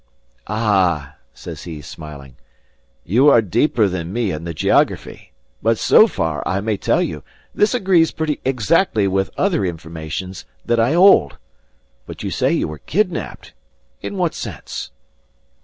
"Ah!" says he, smiling, "you are deeper than me in the geography. But so far, I may tell you, this agrees pretty exactly with other informations that I hold. But you say you were kidnapped; in what sense?"